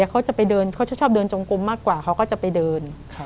เขาจะไปเดินเขาจะชอบเดินจงกลมมากกว่าเขาก็จะไปเดิน